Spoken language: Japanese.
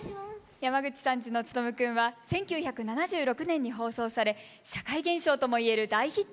「山口さんちのツトム君」は１９７６年に放送され社会現象ともいえる大ヒットとなりました。